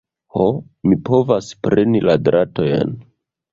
Ho, mi povas preni la dratojn!